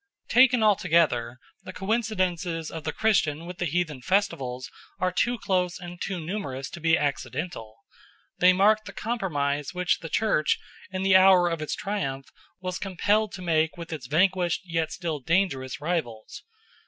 Taken altogether, the coincidences of the Christian with the heathen festivals are too close and too numerous to be accidental. They mark the compromise which the Church in the hour of its triumph was compelled to make with its vanquished yet still dangerous rivals.